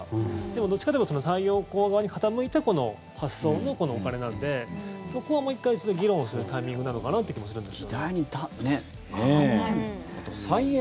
でも、どっちかというと太陽光側に傾いての発想のお金なんでそこはもう１回議論するタイミングなのかなという気もするんですけど。